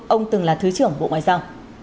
ông từng là thứ trưởng bộ ngoại giao